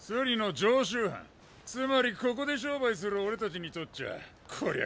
つまりここで商売する俺たちにとっちゃこりゃ